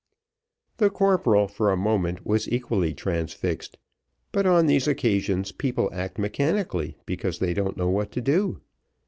The corporal, for a moment, was equally transfixed, but on these occasions people act mechanically because they don't know what to do.